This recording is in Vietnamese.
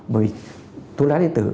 bởi thuốc lá điện tử